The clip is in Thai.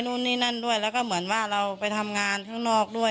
นู่นนี่นั่นด้วยแล้วก็เหมือนว่าเราไปทำงานข้างนอกด้วย